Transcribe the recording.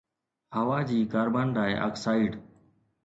هوا جي carbon ڊاءِ oxide